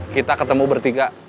kita ketemu bertiga